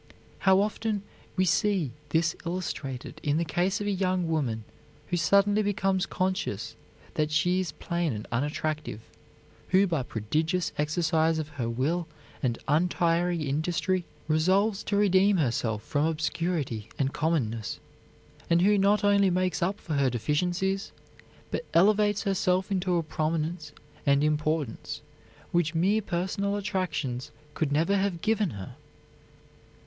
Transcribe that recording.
How often we see this illustrated in the case of a young woman who suddenly becomes conscious that she is plain and unattractive; who, by prodigious exercise of her will and untiring industry, resolves to redeem herself from obscurity and commonness; and who not only makes up for her deficiencies, but elevates herself into a prominence and importance which mere personal attractions could never have given her!